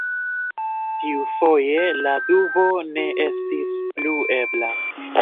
Tiufoje la dubo ne estis plu ebla.